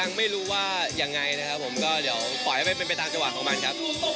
ยังไม่รู้ว่ายังไงนะครับผมก็เดี๋ยวปล่อยให้เป็นไปตามจังหวะของมันครับ